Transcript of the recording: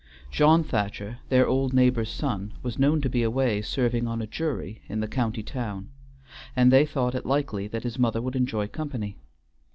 John Thacher, their old neighbor's son, was known to be away serving on a jury in the county town, and they thought it likely that his mother would enjoy company.